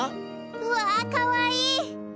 うわかわいい！